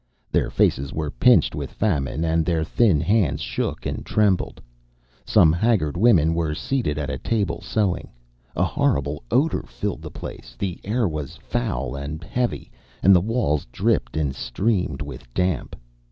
Their faces were pinched with famine, and their thin hands shook and trembled. Some haggard women were seated at a table sewing. A horrible odour filled the place. The air was foul and heavy, and the walls dripped and streamed with damp.